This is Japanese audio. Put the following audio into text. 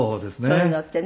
そういうのってね。